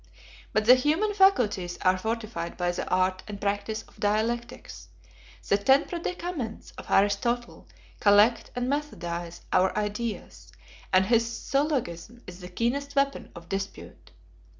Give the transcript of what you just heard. But the human faculties are fortified by the art and practice of dialectics; the ten predicaments of Aristotle collect and methodize our ideas, 59 and his syllogism is the keenest weapon of dispute.